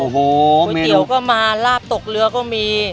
เตี๋ยวก็มาลาบตกเรือก็มี